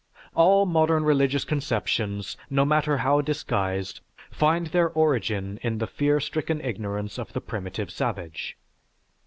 All modern religious conceptions, no matter how disguised, find their origin in the fear stricken ignorance of the primitive savage.